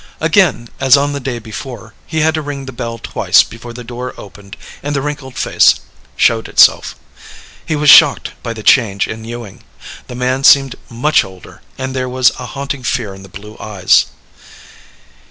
Again, as on the day before, he had to ring the bell twice before the door opened and the wrinkled face showed itself. He was shocked by the change in Ewing. The man seemed much older and there was a haunting fear in the blue eyes.